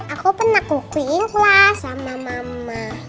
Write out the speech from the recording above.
aku pernah kukuiin kelas sama mama